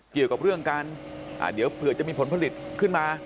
เกี่ยวกับเรื่องการเดี๋ยวเผื่อจะมีผลผลิตขึ้นมา